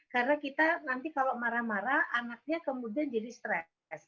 karena kita nanti kalau marah marah anaknya kemudian jadi stress